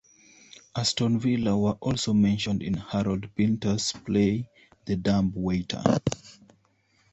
Aston Villa are also mentioned in Harold Pinter's play "The Dumb Waiter".